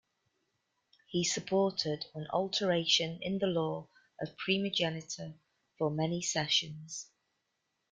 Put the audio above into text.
He supported an alteration in the law of primogeniture for many sessions.